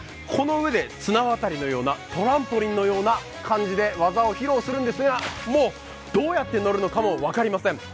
この上で綱渡りのようなトランポリンのような感じで技を披露するんですが、もうどうやって乗るのかも分かりません。